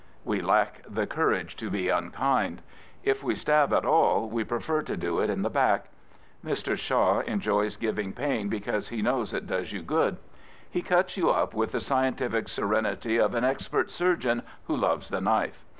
We lack the courage to be unkind. If jwa stab at all we pref^ to do it in the . back. Mr. Shaw„. enjoys, giving pain because he knows it does you good He cuts yon up iB George Bernard Shaw with the scientific serenity of an expert surgeon who loves the knife.